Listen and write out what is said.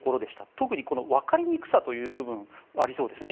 特にわかりにくさという部分ありそうですね。